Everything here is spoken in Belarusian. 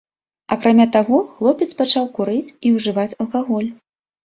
Акрамя таго, хлопец пачаў курыць і ўжываць алкаголь.